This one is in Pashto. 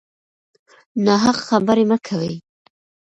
ناحق خبرې مه کوئ.